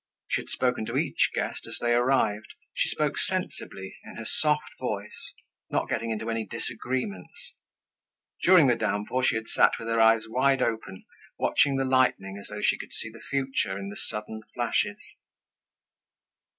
She had spoken to each guest as they arrived. She spoke sensibly, in her soft voice, not getting into any disagreements. During the downpour, she had sat with her eyes wide open, watching the lightning as though she could see the future in the sudden flashes.